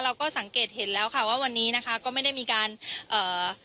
เราก็สังเกตเห็นแล้วค่ะว่าวันนี้นะคะก็ไม่ได้มีการเอ่อ